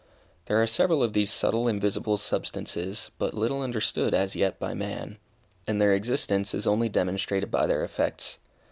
There are several of these subtle, invisible substances but little understood as yet by man, and their existence is only demonstrated by their effects.